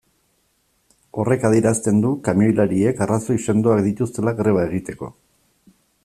Horrek adierazten du kamioilariek arrazoi sendoak dituztela greba egiteko.